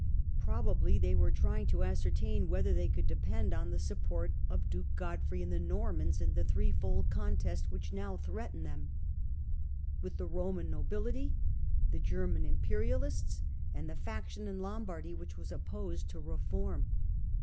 Probably they were trying to ascertain whether they could depend on the support of Digitized by VjOOQIC Nicolas IL and Alexander IL 55 dnke Godfrey and the Normans in the threefold con test which now threatened them — with the Roman nobility, the German imperialists, and the faction in Lombardy which was opposed to reform.